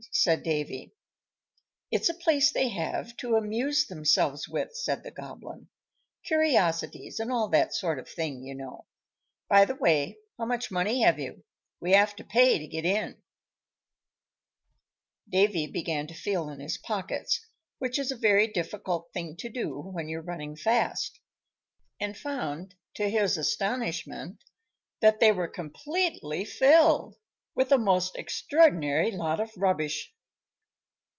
said Davy. "It's a place they have to amuse themselves with," said the Goblin, "curiosities, and all that sort of thing, you know. By the way, how much money have you? We have to pay to get in." [Illustration: "BELLS WERE PEALING IN ALL DIRECTIONS."] Davy began to feel in his pockets (which is a very difficult thing to do when you're running fast), and found, to his astonishment, that they were completely filled with a most extraordinary lot of rubbish.